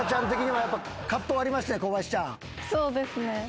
そうですね。